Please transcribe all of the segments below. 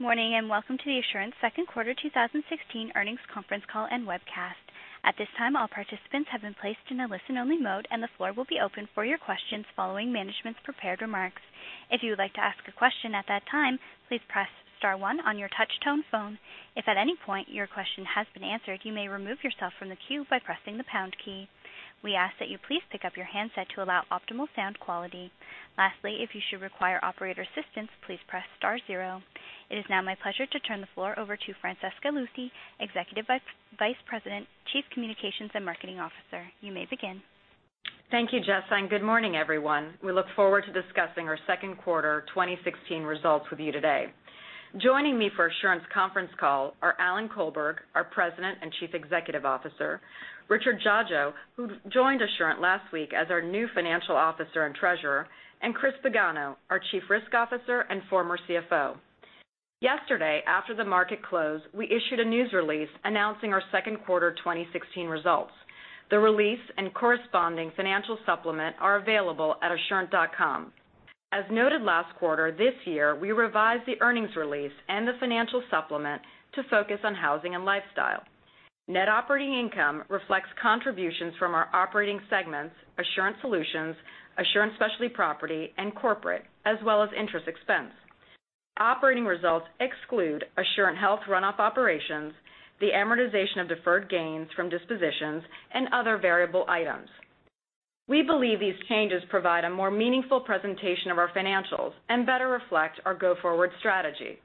Morning, welcome to the Assurant second quarter 2016 earnings conference call and webcast. At this time, all participants have been placed in a listen-only mode, and the floor will be open for your questions following management's prepared remarks. If you would like to ask a question at that time, please press star one on your touchtone phone. If at any point your question has been answered, you may remove yourself from the queue by pressing the pound key. We ask that you please pick up your handset to allow optimal sound quality. Lastly, if you should require operator assistance, please press star zero. It is now my pleasure to turn the floor over to Francesca Luthi, Executive Vice President, Chief Communication and Marketing Officer. You may begin. Thank you, Jess. Good morning, everyone. We look forward to discussing our second quarter 2016 results with you today. Joining me for Assurant's conference call are Alan Colberg, our President and Chief Executive Officer, Richard Dziadzio, who joined Assurant last week as our new Chief Financial Officer and Treasurer, and Chris Pagano, our Chief Risk Officer and former CFO. Yesterday, after the market closed, we issued a news release announcing our second quarter 2016 results. The release and corresponding financial supplement are available at assurant.com. As noted last quarter, this year, we revised the earnings release and the financial supplement to focus on housing and lifestyle. Net operating income reflects contributions from our operating segments, Assurant Solutions, Assurant Specialty Property, and Corporate, as well as interest expense. Operating results exclude Assurant Health runoff operations, the amortization of deferred gains from dispositions, and other variable items. We believe these changes provide a more meaningful presentation of our financials and better reflect our go-forward strategy.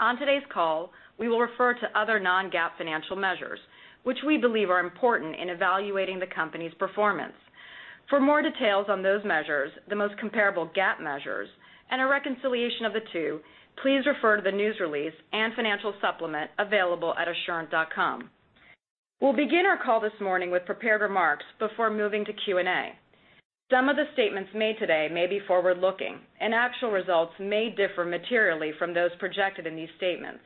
On today's call, we will refer to other non-GAAP financial measures, which we believe are important in evaluating the company's performance. For more details on those measures, the most comparable GAAP measures, and a reconciliation of the two, please refer to the news release and financial supplement available at assurant.com. We'll begin our call this morning with prepared remarks before moving to Q&A. Some of the statements made today may be forward-looking, and actual results may differ materially from those projected in these statements.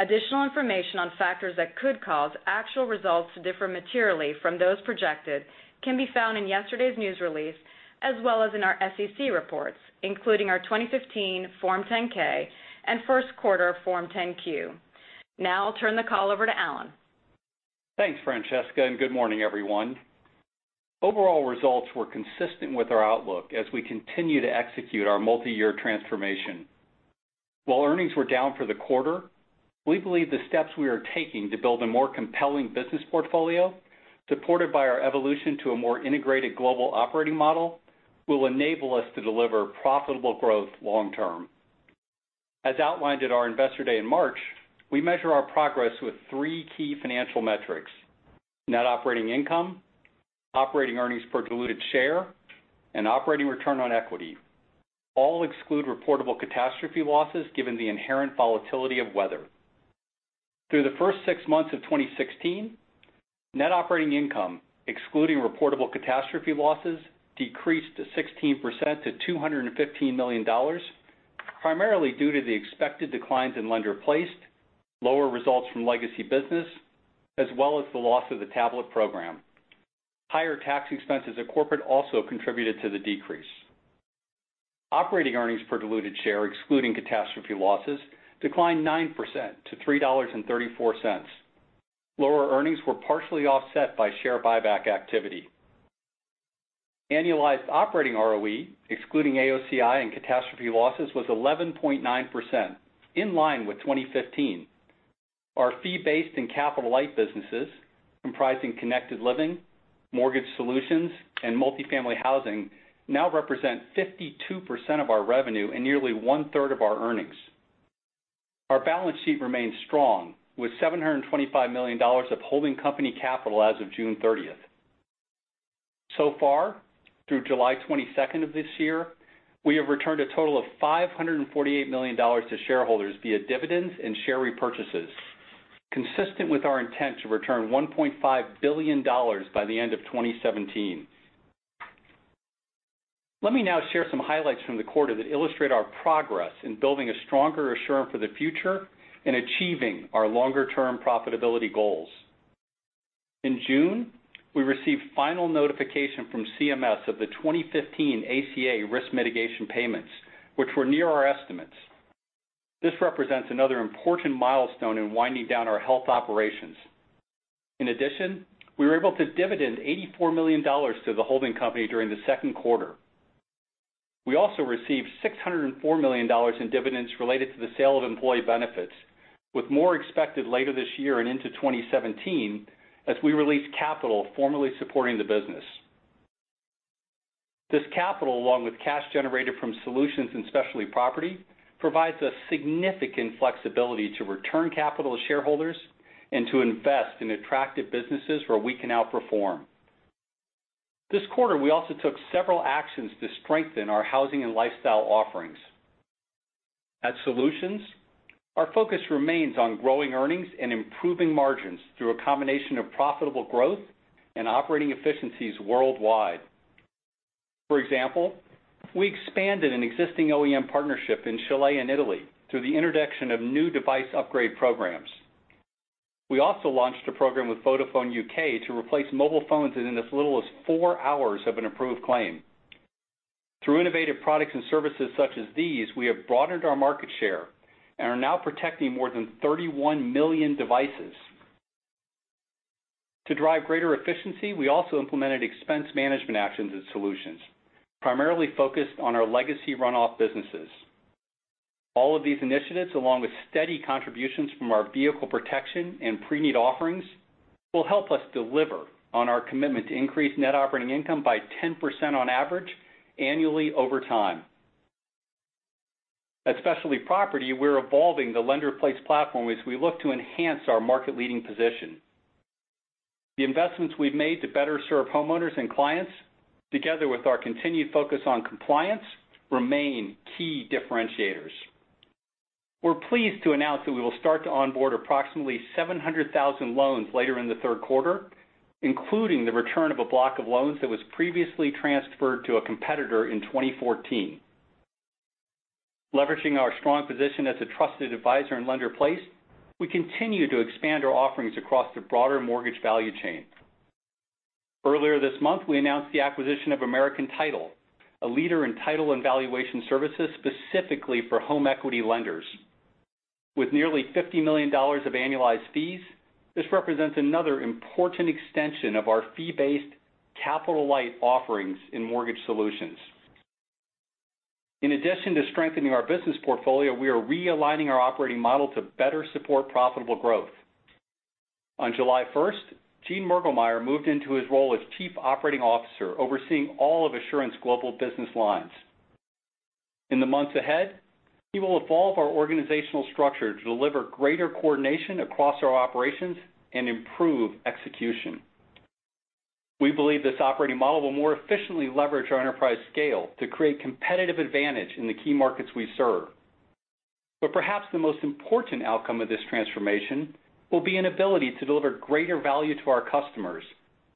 Additional information on factors that could cause actual results to differ materially from those projected can be found in yesterday's news release, as well as in our SEC reports, including our 2015 Form 10-K and first quarter Form 10-Q. I'll turn the call over to Alan. Thanks, Francesca. Good morning, everyone. Overall results were consistent with our outlook as we continue to execute our multi-year transformation. While earnings were down for the quarter, we believe the steps we are taking to build a more compelling business portfolio, supported by our evolution to a more integrated global operating model, will enable us to deliver profitable growth long term. As outlined at our Investor Day in March, we measure our progress with three key financial metrics: net operating income, operating earnings per diluted share, and operating return on equity. All exclude reportable catastrophe losses given the inherent volatility of weather. Through the first six months of 2016, net operating income, excluding reportable catastrophe losses, decreased 16% to $215 million, primarily due to the expected declines in Lender-Placed, lower results from legacy business, as well as the loss of the tablet program. Higher tax expenses at Corporate also contributed to the decrease. Operating earnings per diluted share, excluding catastrophe losses, declined 9% to $3.34. Lower earnings were partially offset by share buyback activity. Annualized operating ROE, excluding AOCI and catastrophe losses, was 11.9%, in line with 2015. Our fee-based and capital-light businesses, comprising Connected Living, Mortgage Solutions, and Multifamily Housing, now represent 52% of our revenue and nearly one-third of our earnings. Our balance sheet remains strong, with $725 million of holding company capital as of June 30th. Through July 22nd of this year, we have returned a total of $548 million to shareholders via dividends and share repurchases, consistent with our intent to return $1.5 billion by the end of 2017. Let me now share some highlights from the quarter that illustrate our progress in building a stronger Assurant for the future and achieving our longer-term profitability goals. In June, we received final notification from CMS of the 2015 ACA risk mitigation payments, which were near our estimates. This represents another important milestone in winding down our health operations. In addition, we were able to dividend $84 million to the holding company during the second quarter. We also received $604 million in dividends related to the sale of employee benefits, with more expected later this year and into 2017 as we release capital formerly supporting the business. This capital, along with cash generated from Solutions in Specialty Property, provides us significant flexibility to return capital to shareholders and to invest in attractive businesses where we can outperform. This quarter, we also took several actions to strengthen our housing and lifestyle offerings. At Solutions, our focus remains on growing earnings and improving margins through a combination of profitable growth and operating efficiencies worldwide. For example, we expanded an existing OEM partnership in Chile and Italy through the introduction of new device upgrade programs. We also launched a program with Vodafone UK to replace mobile phones in as little as four hours of an approved claim. Through innovative products and services such as these, we have broadened our market share and are now protecting more than 31 million devices. To drive greater efficiency, we also implemented expense management actions and Solutions, primarily focused on our legacy runoff businesses. All of these initiatives, along with steady contributions from our vehicle protection and pre-need offerings, will help us deliver on our commitment to increase net operating income by 10% on average annually over time. At Specialty Property, we're evolving the Lender-Placed platform as we look to enhance our market-leading position. The investments we've made to better serve homeowners and clients, together with our continued focus on compliance, remain key differentiators. We're pleased to announce that we will start to onboard approximately 700,000 loans later in the third quarter, including the return of a block of loans that was previously transferred to a competitor in 2014. Leveraging our strong position as a trusted advisor in Lender-Placed, we continue to expand our offerings across the broader mortgage value chain. Earlier this month, we announced the acquisition of American Title, a leader in title and valuation services specifically for home equity lenders. With nearly $50 million of annualized fees, this represents another important extension of our fee-based capital-light offerings in Mortgage Solutions. In addition to strengthening our business portfolio, we are realigning our operating model to better support profitable growth. On July 1st, Gene Mergelmeyer moved into his role as Chief Operating Officer, overseeing all of Assurant's global business lines. In the months ahead, he will evolve our organizational structure to deliver greater coordination across our operations and improve execution. We believe this operating model will more efficiently leverage our enterprise scale to create competitive advantage in the key markets we serve. Perhaps the most important outcome of this transformation will be an ability to deliver greater value to our customers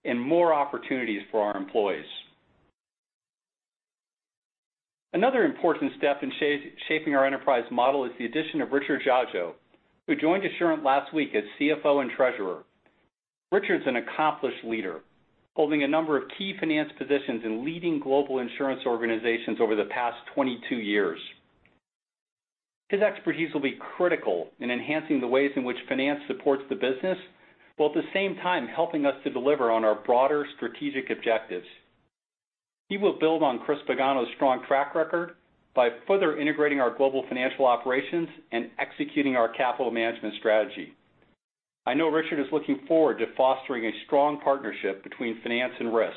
and more opportunities for our employees. Another important step in shaping our enterprise model is the addition of Richard Dziadzio, who joined Assurant last week as CFO and Treasurer. Richard's an accomplished leader, holding a number of key finance positions in leading global insurance organizations over the past 22 years. His expertise will be critical in enhancing the ways in which finance supports the business, while at the same time helping us to deliver on our broader strategic objectives. He will build on Chris Pagano's strong track record by further integrating our global financial operations and executing our capital management strategy. I know Richard Dziadzio is looking forward to fostering a strong partnership between finance and risk.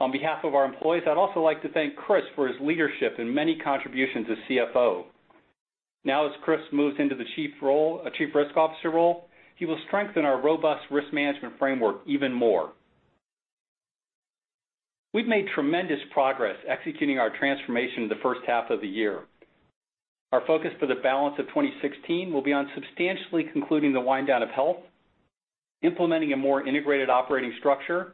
On behalf of our employees, I'd also like to thank Chris Pagano for his leadership and many contributions as CFO. As Chris Pagano moves into the Chief Risk Officer role, he will strengthen our robust risk management framework even more. We've made tremendous progress executing our transformation the first half of the year. Our focus for the balance of 2016 will be on substantially concluding the wind down of Assurant Health, implementing a more integrated operating structure,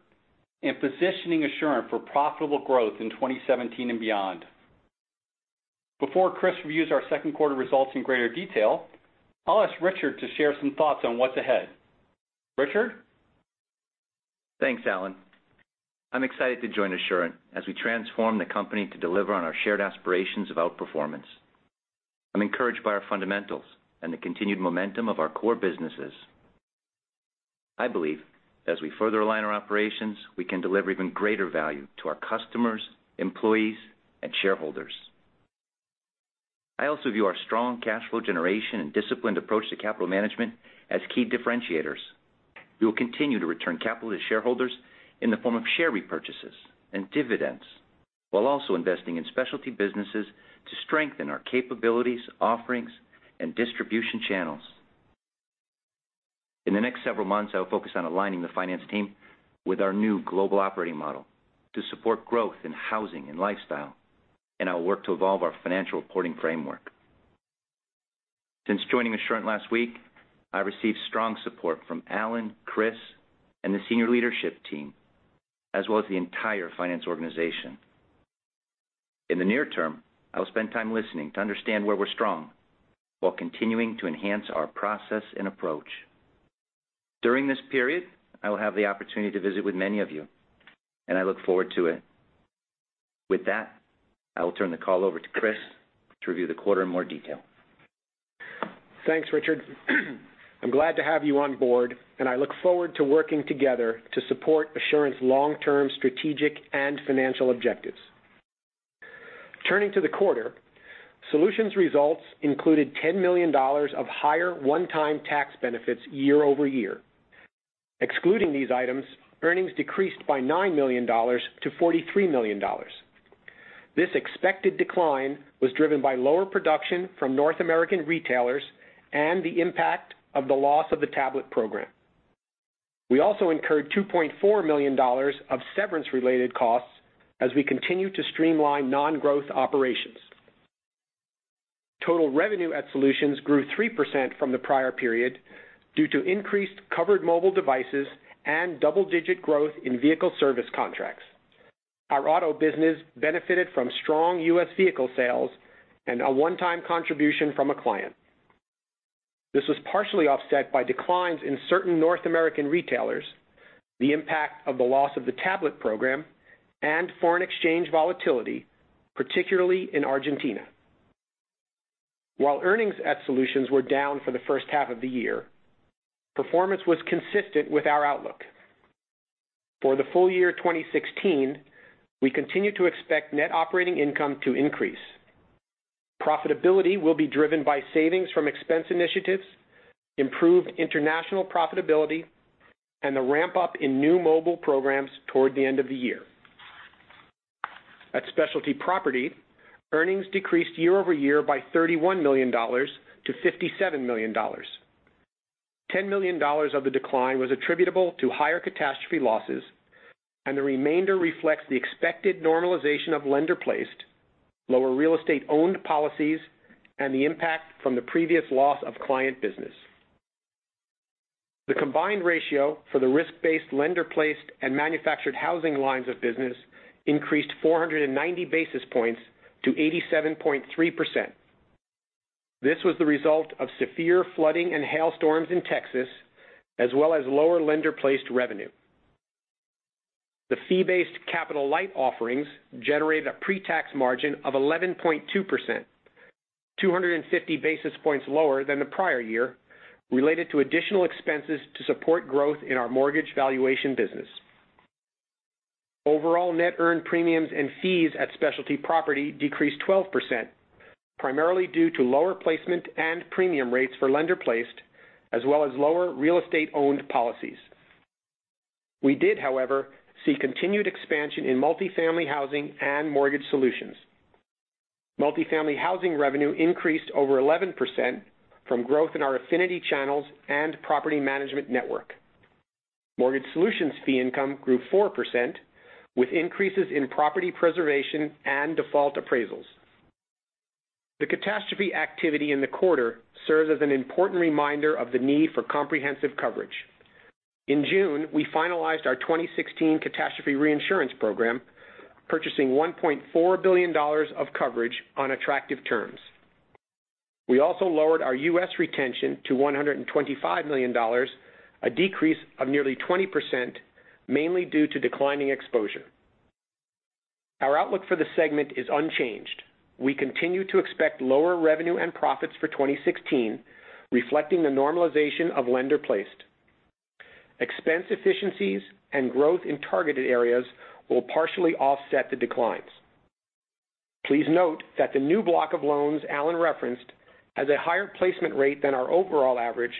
and positioning Assurant for profitable growth in 2017 and beyond. Before Chris Pagano reviews our second quarter results in greater detail, I'll ask Richard Dziadzio to share some thoughts on what's ahead. Richard Dziadzio? Thanks, Alan. I'm excited to join Assurant as we transform the company to deliver on our shared aspirations of outperformance. I'm encouraged by our fundamentals and the continued momentum of our core businesses. I believe as we further align our operations, we can deliver even greater value to our customers, employees, and shareholders. I also view our strong cash flow generation and disciplined approach to capital management as key differentiators. We will continue to return capital to shareholders in the form of share repurchases and dividends while also investing in specialty businesses to strengthen our capabilities, offerings, and distribution channels. In the next several months, I will focus on aligning the finance team with our new global operating model to support growth in housing and lifestyle, and I will work to evolve our financial reporting framework. Since joining Assurant last week, I received strong support from Alan, Chris, and the senior leadership team, as well as the entire finance organization. In the near term, I will spend time listening to understand where we're strong while continuing to enhance our process and approach. During this period, I will have the opportunity to visit with many of you, and I look forward to it. With that, I will turn the call over to Chris to review the quarter in more detail. Thanks, Richard. I'm glad to have you on board, and I look forward to working together to support Assurant's long-term strategic and financial objectives. Turning to the quarter, Solutions results included $10 million of higher one-time tax benefits year-over-year. Excluding these items, earnings decreased by $9 million to $43 million. This expected decline was driven by lower production from North American retailers and the impact of the loss of the tablet program. We also incurred $2.4 million of severance related costs as we continue to streamline non-growth operations. Total revenue at Solutions grew 3% from the prior period due to increased covered mobile devices and double-digit growth in vehicle service contracts. Our auto business benefited from strong U.S. vehicle sales and a one-time contribution from a client. This was partially offset by declines in certain North American retailers, the impact of the loss of the tablet program, and foreign exchange volatility, particularly in Argentina. While earnings at Solutions were down for the first half of the year, performance was consistent with our outlook. For the full year 2016, we continue to expect net operating income to increase. Profitability will be driven by savings from expense initiatives, improved international profitability, and the ramp-up in new mobile programs toward the end of the year. At Specialty Property, earnings decreased year-over-year by $31 million to $57 million. $10 million of the decline was attributable to higher catastrophe losses, and the remainder reflects the expected normalization of lender-placed, lower real estate-owned policies, and the impact from the previous loss of client business. The combined ratio for the risk-based lender-placed and manufactured housing lines of business increased 490 basis points to 87.3%. This was the result of severe flooding and hailstorms in Texas, as well as lower lender-placed revenue. The fee-based capital-light offerings generated a pre-tax margin of 11.2%, 250 basis points lower than the prior year, related to additional expenses to support growth in our mortgage valuation business. Overall net earned premiums and fees at Specialty Property decreased 12%, primarily due to lower placement and premium rates for lender-placed, as well as lower real estate-owned policies. We did, however, see continued expansion in Multifamily Housing and Mortgage Solutions. Multifamily Housing revenue increased over 11% from growth in our affinity channels and property management network. Mortgage Solutions fee income grew 4%, with increases in property preservation and default appraisals. The catastrophe activity in the quarter serves as an important reminder of the need for comprehensive coverage. In June, we finalized our 2016 catastrophe reinsurance program, purchasing $1.4 billion of coverage on attractive terms. We also lowered our U.S. retention to $125 million, a decrease of nearly 20%, mainly due to declining exposure. Our outlook for the segment is unchanged. We continue to expect lower revenue and profits for 2016, reflecting the normalization of Lender-Placed. Expense efficiencies and growth in targeted areas will partially offset the declines. Please note that the new block of loans Alan referenced has a higher placement rate than our overall average,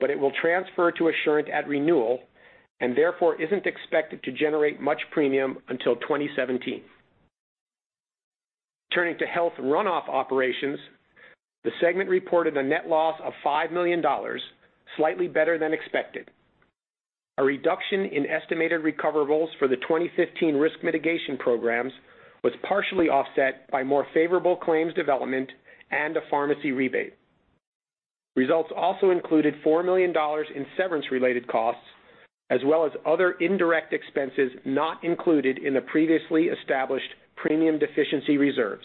but it will transfer to Assurant at renewal and therefore isn't expected to generate much premium until 2017. Turning to health runoff operations, the segment reported a net loss of $5 million, slightly better than expected. A reduction in estimated recoverables for the 2015 risk mitigation programs was partially offset by more favorable claims development and a pharmacy rebate. Results also included $4 million in severance-related costs, as well as other indirect expenses not included in the previously established premium deficiency reserves.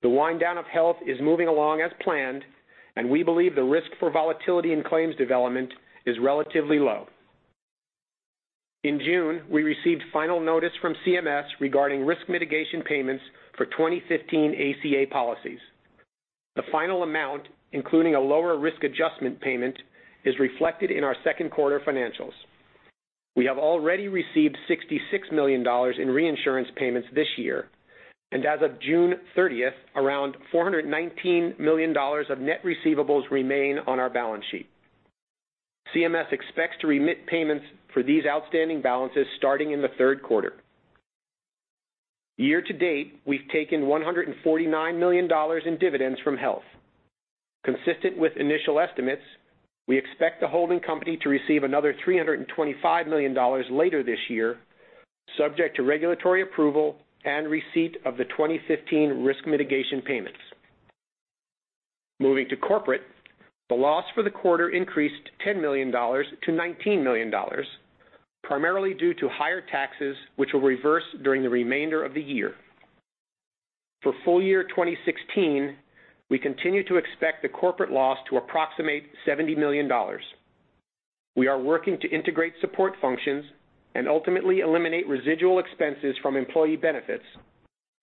The wind down of health is moving along as planned, and we believe the risk for volatility in claims development is relatively low. In June, we received final notice from CMS regarding risk mitigation payments for 2015 ACA policies. The final amount, including a lower risk adjustment payment, is reflected in our second quarter financials. We have already received $66 million in reinsurance payments this year, and as of June 30th, around $419 million of net receivables remain on our balance sheet. CMS expects to remit payments for these outstanding balances starting in the third quarter. Year to date, we've taken $149 million in dividends from health. Consistent with initial estimates, we expect the holding company to receive another $325 million later this year, subject to regulatory approval and receipt of the 2015 risk mitigation payments. Moving to corporate, the loss for the quarter increased $10 million to $19 million, primarily due to higher taxes, which will reverse during the remainder of the year. For full year 2016, we continue to expect the corporate loss to approximate $70 million. We are working to integrate support functions and ultimately eliminate residual expenses from employee benefits,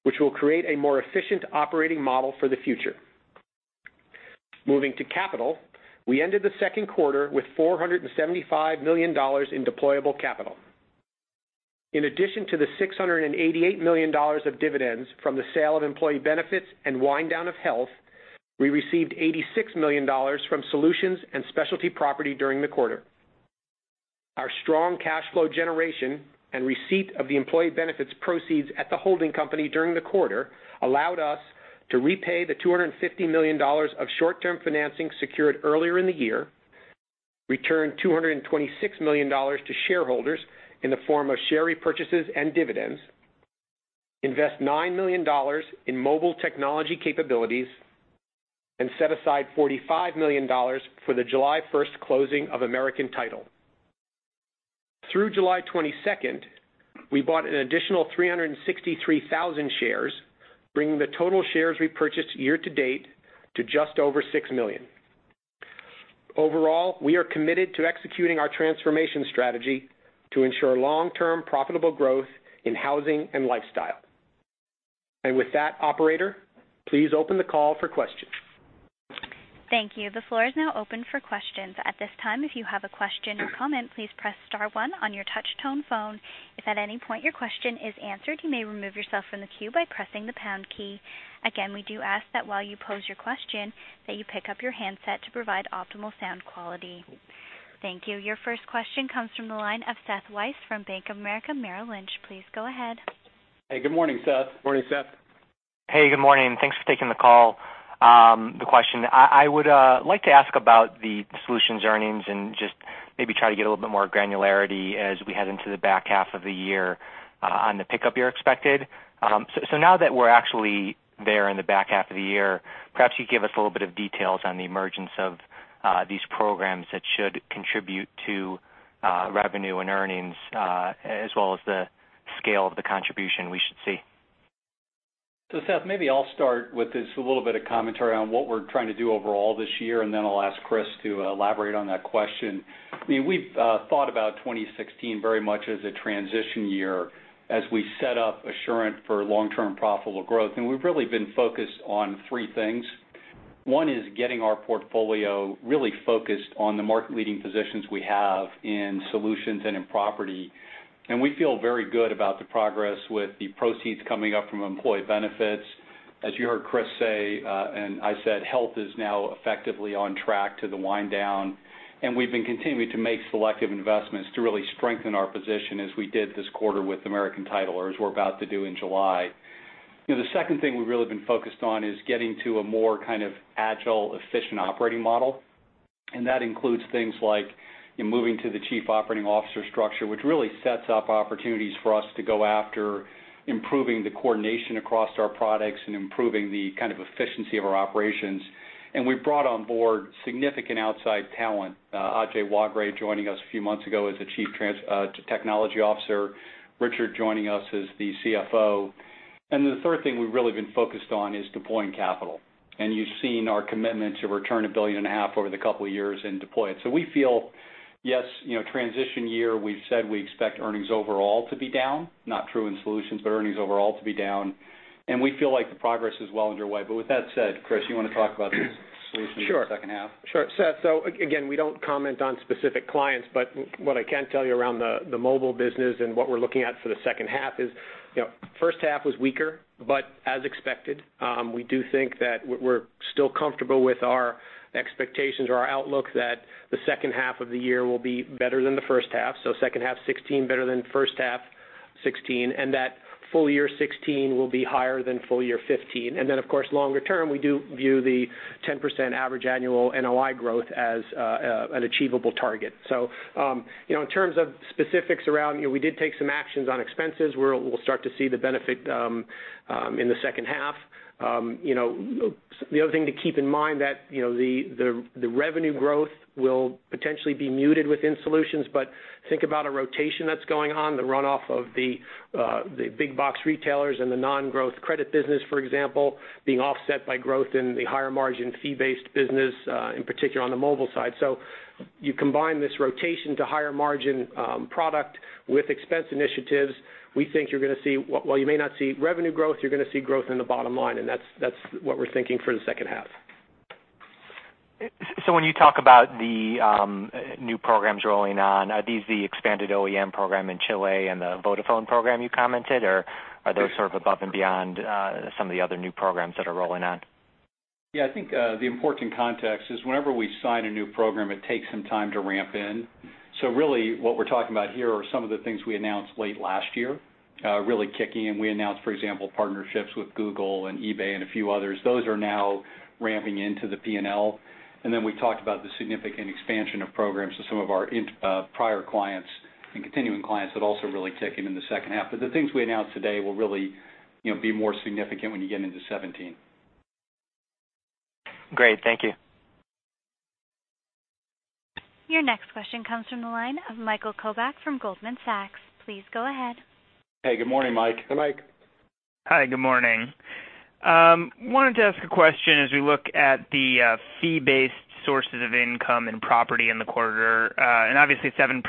which will create a more efficient operating model for the future. Moving to capital, we ended the second quarter with $475 million in deployable capital. In addition to the $688 million of dividends from the sale of employee benefits and wind down of health, we received $86 million from Solutions and Specialty Property during the quarter. Our strong cash flow generation and receipt of the employee benefits proceeds at the holding company during the quarter allowed us to repay the $250 million of short-term financing secured earlier in the year, return $226 million to shareholders in the form of share repurchases and dividends. Invest $9 million in mobile technology capabilities, set aside $45 million for the July 1st closing of American Title. Through July 22nd, we bought an additional 363,000 shares, bringing the total shares we purchased year-to-date to just over 6 million. Overall, we are committed to executing our transformation strategy to ensure long-term profitable growth in housing and lifestyle. With that, operator, please open the call for questions. Thank you. The floor is now open for questions. At this time, if you have a question or comment, please press star one on your touch-tone phone. If at any point your question is answered, you may remove yourself from the queue by pressing the pound key. Again, we do ask that while you pose your question, that you pick up your handset to provide optimal sound quality. Thank you. Your first question comes from the line of Seth Weiss from Bank of America Merrill Lynch. Please go ahead. Hey, good morning, Seth. Morning, Seth. Hey, good morning. Thanks for taking the call. The question, I would like to ask about the Solutions earnings and just maybe try to get a little bit more granularity as we head into the back half of the year on the pickup year expected. Now that we're actually there in the back half of the year, perhaps you could give us a little bit of details on the emergence of these programs that should contribute to revenue and earnings, as well as the scale of the contribution we should see. Seth, maybe I'll start with this, a little bit of commentary on what we're trying to do overall this year, and then I'll ask Chris to elaborate on that question. We've thought about 2016 very much as a transition year as we set up Assurant for long-term profitable growth, and we've really been focused on three things. One is getting our portfolio really focused on the market-leading positions we have in Solutions and in Property. We feel very good about the progress with the proceeds coming up from employee benefits. As you heard Chris say, and I said, Health is now effectively on track to the wind-down, and we've been continuing to make selective investments to really strengthen our position as we did this quarter with American Title, or as we're about to do in July. The second thing we've really been focused on is getting to a more kind of agile, efficient operating model. That includes things like moving to the Chief Operating Officer structure, which really sets up opportunities for us to go after improving the coordination across our products and improving the kind of efficiency of our operations. We've brought on board significant outside talent. Ajay Waghray joining us a few months ago as the Chief Technology Officer, Richard joining us as the CFO. The third thing we've really been focused on is deploying capital. You've seen our commitment to return $1.5 billion over the couple of years and deploy it. We feel, yes, transition year, we've said we expect earnings overall to be down, not true in Solutions, but earnings overall to be down. We feel like the progress is well underway. With that said, Chris, you want to talk about the Solutions for the second half? Sure. Seth, again, we don't comment on specific clients, but what I can tell you around the mobile business and what we're looking at for the second half is, first half was weaker, but as expected. We do think that we're still comfortable with our expectations or our outlook that the second half of the year will be better than the first half, so second half 2016 better than first half 2016, and that full year 2016 will be higher than full year 2015. Then, of course, longer term, we do view the 10% average annual NOI growth as an achievable target. In terms of specifics around, we did take some actions on expenses. We'll start to see the benefit in the second half. The other thing to keep in mind that the revenue growth will potentially be muted within solutions, but think about a rotation that's going on, the runoff of the big box retailers and the non-growth credit business, for example, being offset by growth in the higher margin fee-based business, in particular on the mobile side. You combine this rotation to higher margin product with expense initiatives, we think while you may not see revenue growth, you're going to see growth in the bottom line, and that's what we're thinking for the second half. When you talk about the new programs rolling on, are these the expanded OEM program in Chile and the Vodafone program you commented, or are those sort of above and beyond some of the other new programs that are rolling on? I think, the important context is whenever we sign a new program, it takes some time to ramp in. Really what we're talking about here are some of the things we announced late last year, really kicking in. We announced, for example, partnerships with Google and eBay and a few others. Those are now ramping into the P&L. Then we talked about the significant expansion of programs to some of our prior clients and continuing clients that also really kick in in the second half. The things we announced today will really be more significant when you get into 2017. Great. Thank you. Your next question comes from the line of Mike Kovac from Goldman Sachs. Please go ahead. Hey, good morning, Mike. Mike. Hi, good morning. Wanted to ask a question as we look at the fee-based sources of income and property in the quarter. Obviously 7%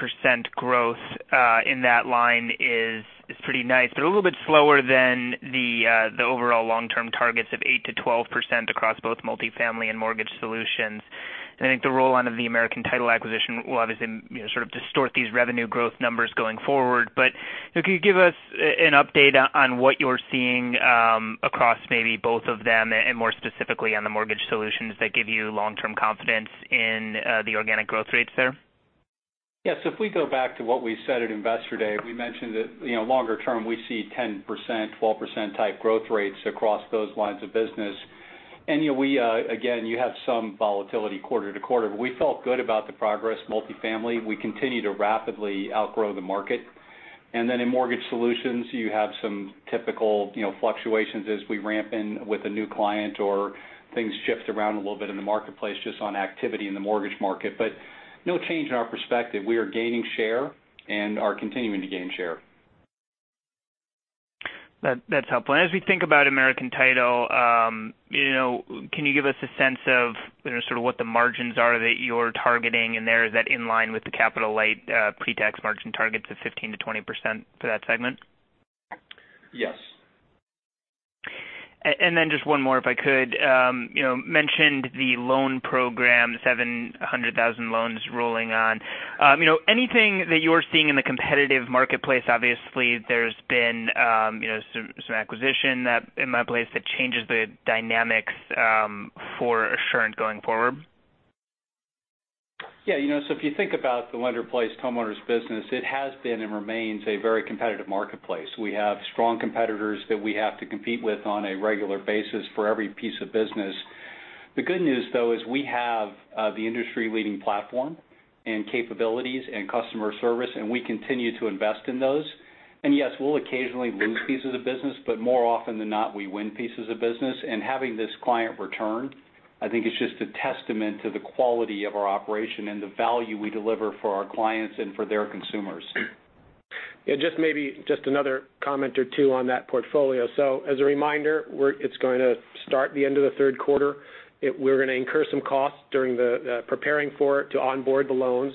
growth in that line is pretty nice, but a little bit slower than the overall long-term targets of 8%-12% across both Multifamily and Mortgage Solutions. I think the roll-on of the American Title acquisition will obviously sort of distort these revenue growth numbers going forward. Could you give us an update on what you're seeing across maybe both of them and more specifically on the Mortgage Solutions that give you long-term confidence in the organic growth rates there? Yes. If we go back to what we said at Investor Day, we mentioned that longer term, we see 10%, 12% type growth rates across those lines of business. Again, you have some volatility quarter-to-quarter, but we felt good about the progress Multifamily. We continue to rapidly outgrow the market. Then in Mortgage Solutions, you have some typical fluctuations as we ramp in with a new client or things shift around a little bit in the marketplace just on activity in the mortgage market. No change in our perspective. We are gaining share and are continuing to gain share. That's helpful. As we think about American Title, can you give us a sense of sort of what the margins are that you're targeting in there? Is that in line with the capital-light pre-tax margin targets of 15% to 20% for that segment? Yes. Just one more, if I could. You mentioned the loan program, 700,000 loans rolling on. Anything that you're seeing in the competitive marketplace? Obviously, there's been some acquisition in that place that changes the dynamics for Assurant going forward. Yeah. If you think about the Lender-Placed homeowners business, it has been and remains a very competitive marketplace. We have strong competitors that we have to compete with on a regular basis for every piece of business. The good news, though, is we have the industry-leading platform and capabilities and customer service, and we continue to invest in those. Yes, we'll occasionally lose pieces of business, but more often than not, we win pieces of business. Having this client return, I think, is just a testament to the quality of our operation and the value we deliver for our clients and for their consumers. Yeah, just another comment or two on that portfolio. As a reminder, it's going to start the end of the third quarter. We're going to incur some costs during the preparing for it to onboard the loans.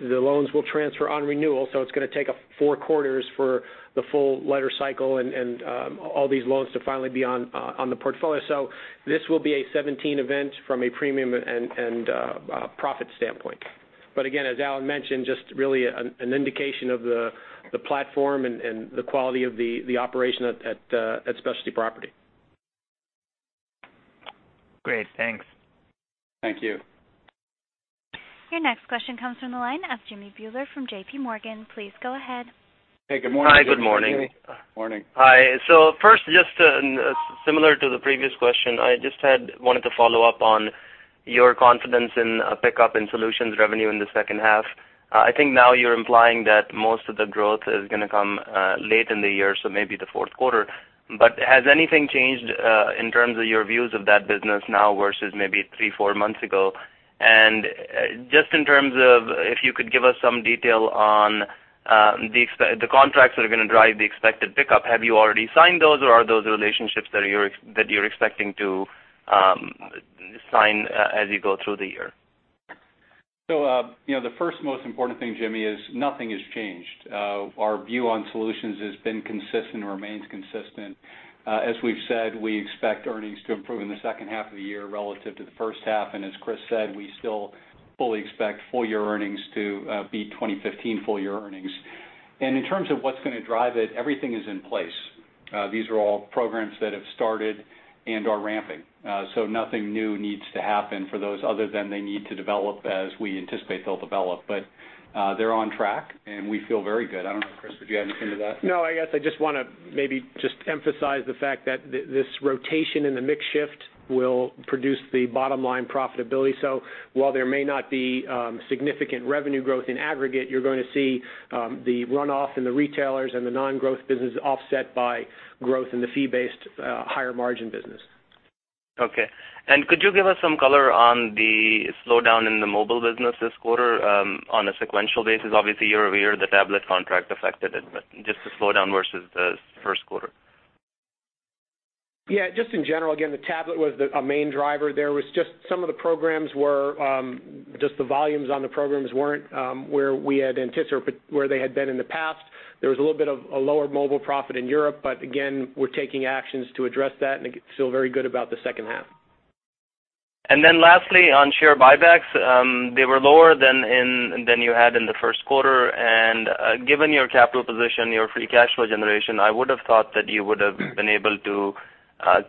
The loans will transfer on renewal, it's going to take four quarters for the full lender cycle and all these loans to finally be on the portfolio. This will be a 2017 event from a premium and profit standpoint. Again, as Alan mentioned, just really an indication of the platform and the quality of the operation at Specialty Property. Great. Thanks. Thank you. Your next question comes from the line of Jimmy Bhullar from JPMorgan. Please go ahead. Hey, good morning. Hi, good morning. Morning. Hi. First, just similar to the previous question, I just wanted to follow up on your confidence in a pickup in Solutions revenue in the second half. I think now you're implying that most of the growth is going to come late in the year, so maybe the fourth quarter. Has anything changed in terms of your views of that business now versus maybe three, four months ago? Just in terms of, if you could give us some detail on the contracts that are going to drive the expected pickup. Have you already signed those, or are those relationships that you're expecting to sign as you go through the year? The first most important thing, Jimmy, is nothing has changed. Our view on Solutions has been consistent and remains consistent. As we've said, we expect earnings to improve in the second half of the year relative to the first half. As Chris said, we still fully expect full-year earnings to beat 2015 full-year earnings. In terms of what's going to drive it, everything is in place. These are all programs that have started and are ramping. Nothing new needs to happen for those other than they need to develop as we anticipate they'll develop. They're on track, and we feel very good. I don't know, Chris, would you add anything to that? I guess I just want to maybe just emphasize the fact that this rotation in the mix shift will produce the bottom-line profitability. While there may not be significant revenue growth in aggregate, you're going to see the runoff in the retailers and the non-growth business offset by growth in the fee-based, higher-margin business. Okay. Could you give us some color on the slowdown in the mobile business this quarter on a sequential basis? Obviously, year-over-year, the tablet contract affected it, but just the slowdown versus the first quarter. Yeah, just in general, again, the tablet was a main driver. There was just some of the programs where just the volumes on the programs weren't where they had been in the past. There was a little bit of a lower mobile profit in Europe, again, we're taking actions to address that, and feel very good about the second half. Then lastly, on share buybacks, they were lower than you had in the first quarter. Given your capital position, your free cash flow generation, I would have thought that you would have been able to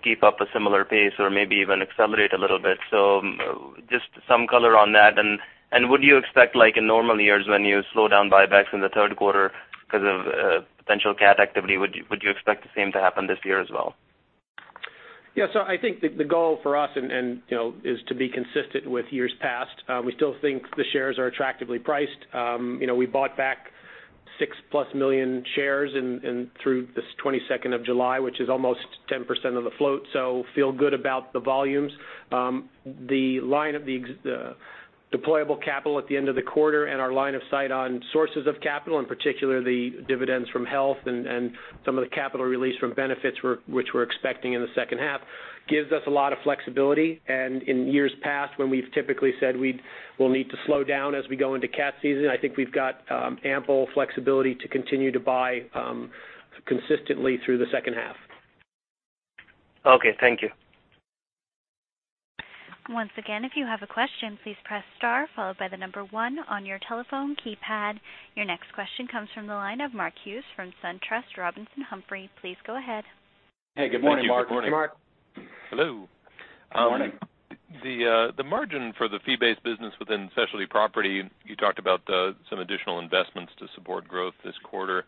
keep up a similar pace or maybe even accelerate a little bit. Just some color on that. Would you expect, like in normal years, when you slow down buybacks in the third quarter because of potential cat activity, would you expect the same to happen this year as well? Yeah. I think the goal for us is to be consistent with years past. We still think the shares are attractively priced. We bought back 6-plus million shares through the 22nd of July, which is almost 10% of the float, so feel good about the volumes. The deployable capital at the end of the quarter and our line of sight on sources of capital, in particular the dividends from health and some of the capital release from benefits which we're expecting in the second half, gives us a lot of flexibility. In years past, when we've typically said we'll need to slow down as we go into cat season, I think we've got ample flexibility to continue to buy consistently through the second half. Okay, thank you. Once again, if you have a question, please press star, followed by the number 1 on your telephone keypad. Your next question comes from the line of Mark Hughes from SunTrust Robinson Humphrey. Please go ahead. Hey, good morning, Mark. Good morning. Hey, Mark. Hello. Good morning. The margin for the fee-based business within Specialty Property, you talked about some additional investments to support growth this quarter.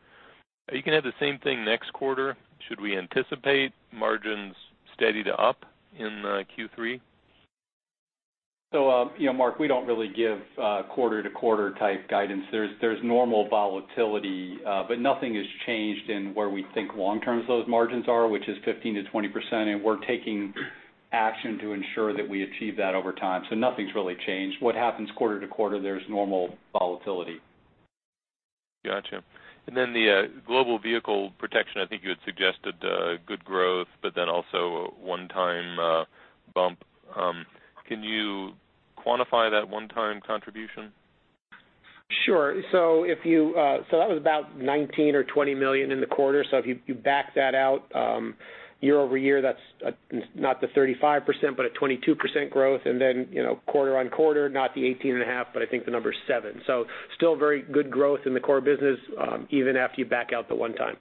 Are you going to have the same thing next quarter? Should we anticipate margins steady to up in Q3? Mark, we don't really give quarter-to-quarter type guidance. There's normal volatility, but nothing has changed in where we think long-term those margins are, which is 15% to 20%, and we're taking action to ensure that we achieve that over time. Nothing's really changed. What happens quarter-to-quarter, there's normal volatility. Got you. The global vehicle protection, I think you had suggested good growth, but also a one-time bump. Can you quantify that one-time contribution? Sure. That was about $19 or $20 million in the quarter. If you back that out year-over-year, that's not the 35%, but a 22% growth. Quarter-on-quarter, not the 18.5%, but I think the number is seven. Still very good growth in the core business, even after you back out the one-time.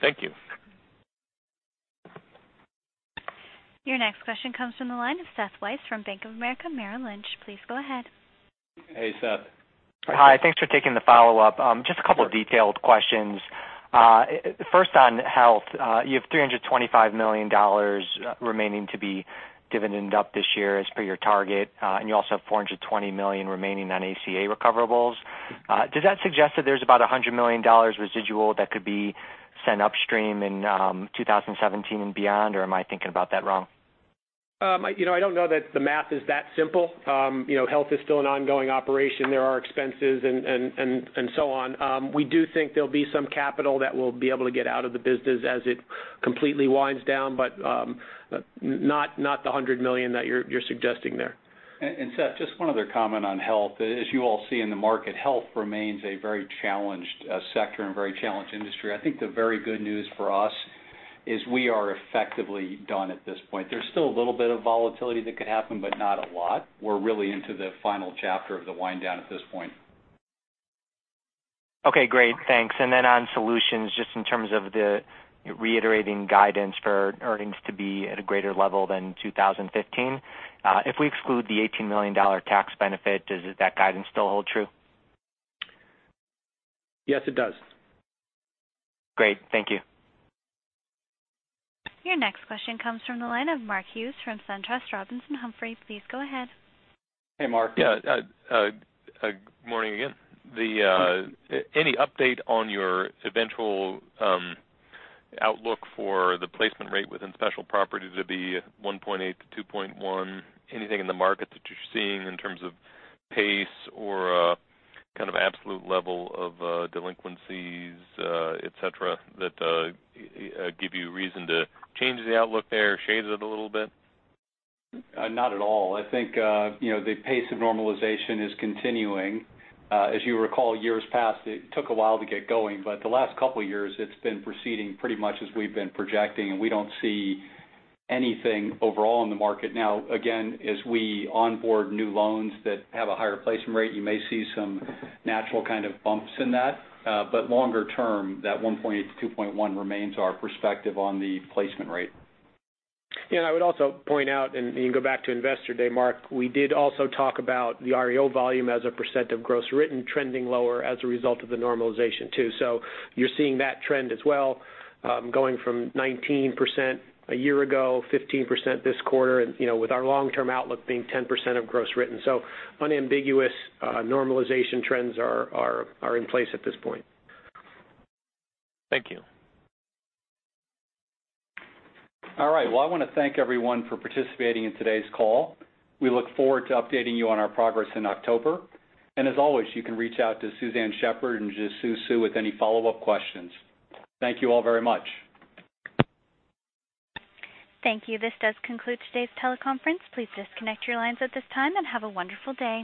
Thank you. Your next question comes from the line of Seth Weiss from Bank of America Merrill Lynch. Please go ahead. Hey, Seth. Hi. Thanks for taking the follow-up. Just a couple of detailed questions. First on health, you have $325 million remaining to be given up this year as per your target. You also have $420 million remaining on ACA recoverables. Does that suggest that there's about $100 million residual that could be sent upstream in 2017 and beyond, or am I thinking about that wrong? I don't know that the math is that simple. Health is still an ongoing operation. There are expenses and so on. We do think there'll be some capital that we'll be able to get out of the business as it completely winds down, but not the $100 million that you're suggesting there. Seth, just one other comment on health. As you all see in the market, health remains a very challenged sector and a very challenged industry. I think the very good news for us is we are effectively done at this point. There's still a little bit of volatility that could happen, but not a lot. We're really into the final chapter of the wind down at this point. Okay, great. Thanks. Then on Assurant Solutions, just in terms of the reiterating guidance for earnings to be at a greater level than 2015. If we exclude the $18 million tax benefit, does that guidance still hold true? Yes, it does. Great. Thank you. Your next question comes from the line of Mark Hughes from SunTrust Robinson Humphrey. Please go ahead. Hey, Mark. Yeah. Morning again. Any update on your eventual outlook for the placement rate within Specialty Property to be 1.8% to 2.1%? Anything in the market that you're seeing in terms of pace or kind of absolute level of delinquencies, et cetera, that give you reason to change the outlook there or shade it a little bit? Not at all. I think the pace of normalization is continuing. You recall, years past, it took a while to get going, but the last couple of years, it's been proceeding pretty much as we've been projecting, and we don't see anything overall in the market. Again, as we onboard new loans that have a higher placement rate, you may see some natural kind of bumps in that. Longer term, that 1.8% to 2.1% remains our perspective on the placement rate. I would also point out, you can go back to Investor Day, Mark, we did also talk about the REO volume as a percent of gross written trending lower as a result of the normalization, too. You are seeing that trend as well, going from 19% a year ago, 15% this quarter, and with our long-term outlook being 10% of gross written. Unambiguous normalization trends are in place at this point. Thank you. I want to thank everyone for participating in today's call. We look forward to updating you on our progress in October. As always, you can reach out to Suzanne Shepherd and Jisoo Suh with any follow-up questions. Thank you all very much. Thank you. This does conclude today's teleconference. Please disconnect your lines at this time and have a wonderful day.